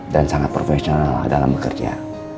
dan sangat profesional dalam bekerja